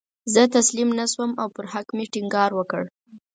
زه تسلیم نه شوم او پر حق مې ټینګار وکړ.